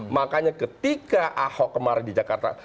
makanya ketika ahok kemarin di jakarta